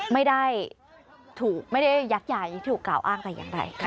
ไม่ได้ยักษ์ใหญ่ไม่ได้ถูกกล่าวอ้างแต่อย่างไร